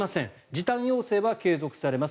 時短要請は継続されます。